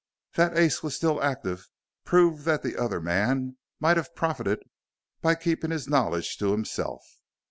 That Ace was still active proved that the other man might have profited by keeping his knowledge to himself.